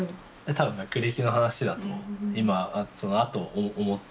多分学歴の話だとそのあと思った。